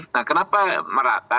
nah kenapa merata